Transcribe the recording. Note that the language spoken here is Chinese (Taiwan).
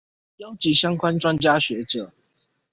邀集相關專家學者